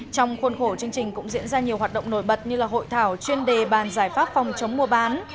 trong khuôn khổ chương trình cũng diễn ra nhiều hoạt động nổi bật như hội thảo chuyên đề bàn giải pháp phòng chống mua bán